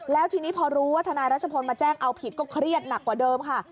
แล้วทีนี้พอรู้ว่าทนายรัชพลมาแจ้งเอาผิดก็เครียดหนักกว่าเดิมค่ะ